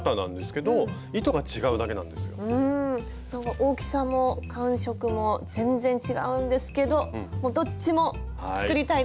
大きさも感触も全然違うんですけどどっちも作りたいです。